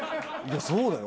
そうだよ。